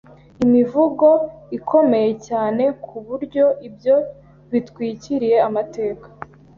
imivugo ikomeye cyaneku buryo ibyo bitwikiriye amateka